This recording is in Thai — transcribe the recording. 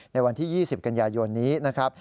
ในวันที่๒๐กันยายนนี้นะครับ